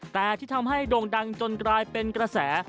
แต่ที่ทำให้โด่งดังจนกลายเป็นกระแส